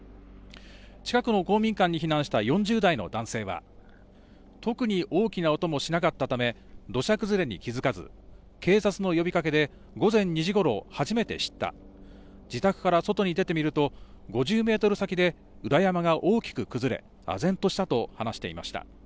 近くの公民館に避難した４０代の男性は特に大きな音もしなかったため土砂崩れに気付かず警察の呼びかけで午前２時ごろ初めて知った自宅から外に出てみると５０メートル先で裏山が大きく崩れ唖然としたと話していました。